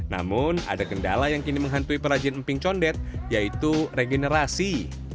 namun ada kendala yang kini menghantui perajin emping condet yaitu regenerasi